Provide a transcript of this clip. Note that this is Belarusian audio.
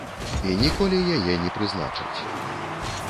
І ніколі яе не прызначаць.